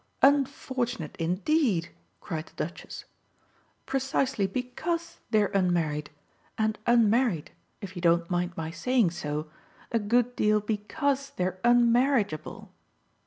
"Unfortunate indeed," cried the Duchess, "precisely BECAUSE they're unmarried, and unmarried, if you don't mind my saying so, a good deal because they're unmarriageable.